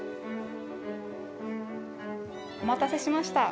お待たせしました。